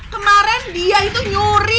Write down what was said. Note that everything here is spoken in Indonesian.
kemaren dia itu nyuri